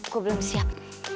gue belum siap